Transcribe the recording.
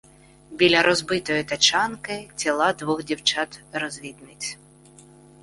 Біля розбитої тачанки — тіла двох дівчат - розвідниць.